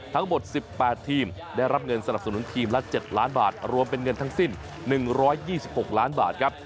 ทั้งหมด๑๘ทีมได้รับเงินสนับสนุนทีมละ๗ล้านบาทรวมเป็นเงินทั้งสิ้น๑๒๖ล้านบาทครับ